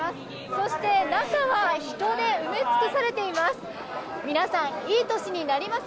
そして、中は人で埋め尽くされています。